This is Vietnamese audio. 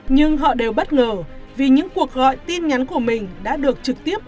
nhưng họ đều bất ngờ vì những cuộc gọi tin nhắn của mình đã được trực tiếp